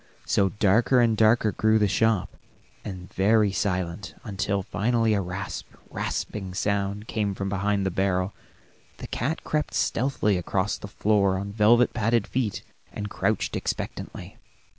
So darker and darker grew the shop, and very silent, until finally a rasp, rasping sound came from behind the barrel. The cat crept stealthily across the floor on velvet padded feet, and crouched expectantly.